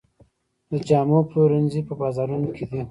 د جامو پلورنځي په بازارونو کې دي